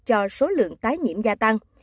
cho số lượng tái nhiễm gia tăng